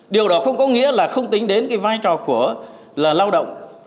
điều đó không có nghĩa là không tính đến cái vai trò của là lao động